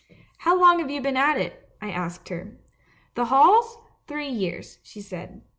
" 'How long have you been at it?' I asked her. " 'The halls? Three years,' she said.